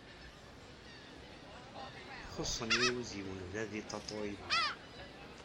Xuṣṣen yiwiziwen da di tatoeba.